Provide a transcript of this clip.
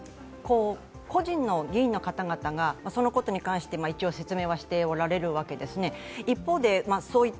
個人の議員の方々がそのことに関して一応説明をされているわけなんですね。